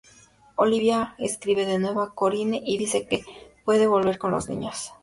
Olivia escribe de nuevo a Corinne y dice que puede volver con los niños.